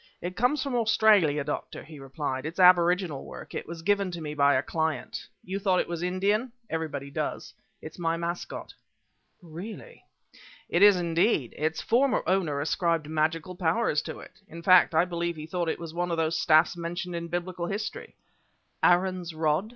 "It comes from Australia, Doctor," he replied; "it's aboriginal work, and was given to me by a client. You thought it was Indian? Everybody does. It's my mascot." "Really?" "It is indeed. Its former owner ascribed magical powers to it! In fact, I believe he thought that it was one of those staffs mentioned in biblical history " "Aaron's rod?"